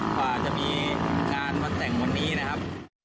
กว่าจะมีงานวันแต่งวันนี้นะครับ